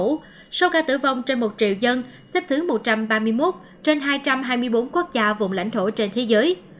trong số ca tử vong trên một triệu dân xếp thứ một trăm ba mươi một trên hai trăm hai mươi bốn quốc gia vùng lãnh thổ trên thế giới